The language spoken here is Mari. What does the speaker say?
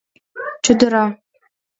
— Чодыра.